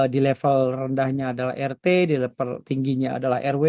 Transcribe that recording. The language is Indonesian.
di level rendahnya adalah rt di level tingginya adalah rw